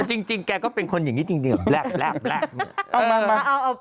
แต่จริงแกก็เป็นคนอย่างนี้จริงแบล็กแบล็ก